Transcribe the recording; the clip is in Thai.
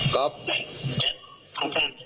ก๊อฟอะไรนะ